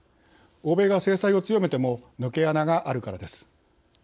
欧米が制裁を強めても抜け穴があるからです。